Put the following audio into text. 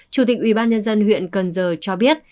chủ tịch ubnd huyện cần giờ cho biết